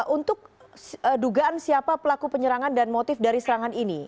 untuk dugaan siapa pelaku penyerangan dan motif dari serangan ini